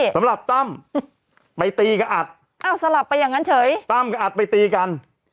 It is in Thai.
ตั้มไปตีกับอัดอ้าวสลับไปอย่างนั้นเฉยตั้มกับอัดไปตีกัน